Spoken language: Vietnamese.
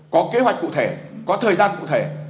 có kế hoạch cụ thể có thời gian cụ thể